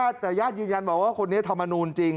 แต่ญาติยืนยันบอกว่าคนนี้ธรรมนูลจริง